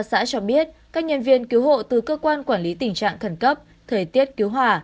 xã cho biết các nhân viên cứu hộ từ cơ quan quản lý tình trạng khẩn cấp thời tiết cứu hỏa